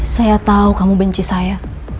saya tahu kamu benci saya